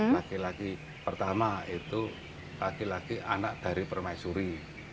laki laki pertama itu laki laki anak dari permaisuri